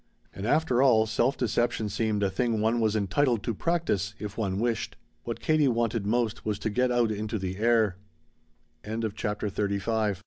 And, after all, self deception seemed a thing one was entitled to practice, if one wished. What Katie wanted most was to get out into the air. CHAPTER XXXVI To get out i